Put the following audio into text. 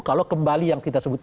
kalau kembali yang kita sebut